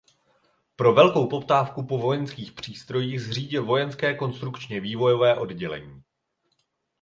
Pro velkou poptávku po vojenských přístrojích zřídil vojenské konstrukčně vývojové oddělení.